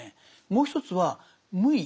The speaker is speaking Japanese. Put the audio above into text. もう一つは無為。